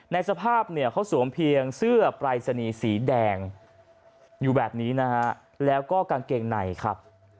สภาพเนี่ยเขาสวมเพียงเสื้อปรายศนีย์สีแดงอยู่แบบนี้นะฮะแล้วก็กางเกงในครับ